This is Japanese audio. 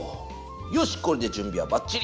よしこれで準備はばっちり。